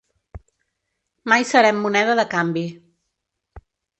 Mai serem moneda de canvi.